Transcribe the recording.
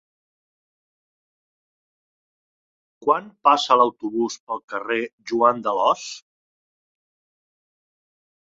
Quan passa l'autobús pel carrer Joan d'Alòs?